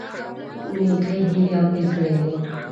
نیکی هیلی او پیرزوینی